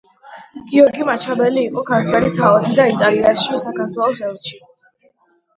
გიორგი მაჩაბელი იყო ქართველი თავადი და იტალიაში საქართველოს ელჩი.